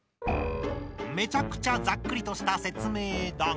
めちゃくちゃざっくりとした説明だが。